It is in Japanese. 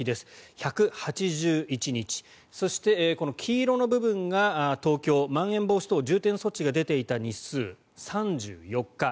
１８１日そしてこの黄色の部分が東京、まん延防止等重点措置が出ていた日数、３４日。